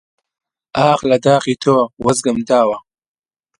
ئاخ لە داخی تۆ وەزگم داوە!